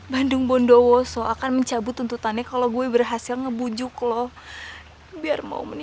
bandung bondowoso akan mencabut tuntutannya kalau saya berhasil membujuk kamu